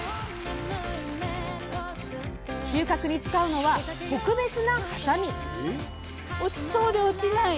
収穫に使うのは特別なはさみ！